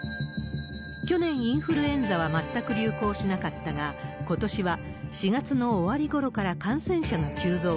去年、インフルエンザは全く流行しなかったが、ことしは４月の終わりごろから感染者が急増。